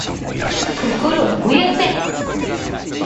心を燃やせ！